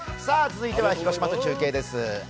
続いては広島と中継です。